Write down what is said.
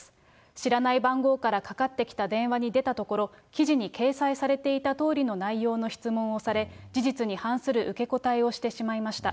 知らない番号からかかってきた電話に出たところ、記事に掲載されていたとおりの内容の質問をされ、事実に反する受け答えをしてしまいました。